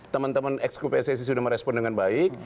teman teman ex kup pssc sudah merespon dengan baik